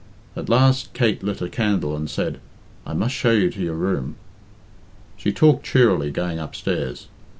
At last Kate lit a candle and said, "I must show you to your room." She talked cheerily going upstairs.